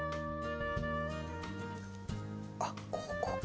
あっここか！